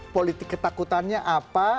politik ketakutannya apa